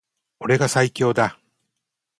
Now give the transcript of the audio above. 俺が最強だ